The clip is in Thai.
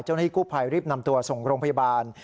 เจ้าหน้าที่กู้ภัยรีบนำตัวส่งโรงพยาบาล